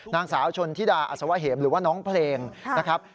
นางสาวชนธิดาอัศวะเหมหรือว่าน้องเพลงนะครับ